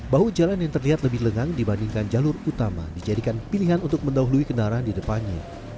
bahu jalan yang terlihat lebih lengang dibandingkan jalur utama dijadikan pilihan untuk mendahului kendaraan di depannya